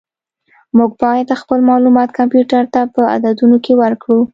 موږ باید خپل معلومات کمپیوټر ته په عددونو کې ورکړو.